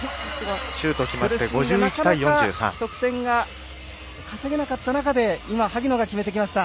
苦しんで、なかなか得点が稼げなかった中で今萩野が決めてきました。